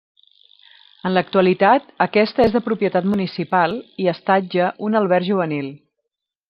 En l'actualitat aquesta és de propietat municipal i estatja un alberg juvenil.